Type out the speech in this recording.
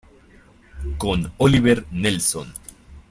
Con Oliver Nelson